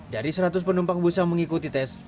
dari seratus penumpang bus yang mengikuti tes